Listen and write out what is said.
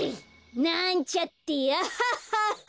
なんちゃってアハハハ！